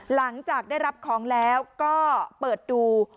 หลังจากได้รับของแล้วก็เปิดดู